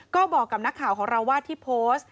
ก็บอกกับนักข่าวของเราว่าที่โพสต์